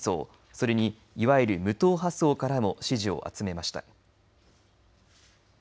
それにいわゆる無党派層からも支持を集めました。